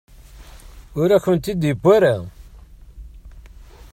Ur akent-tent-id-yuwi ara.